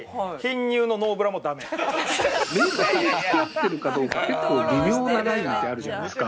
明確に付き合ってるかどうか結構微妙なラインってあるじゃないですか。